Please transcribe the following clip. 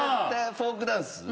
フォークダンス。